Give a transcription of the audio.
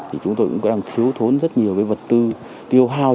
thì chúng tôi cũng đang thiếu thốn rất nhiều cái vật tư tiêu hao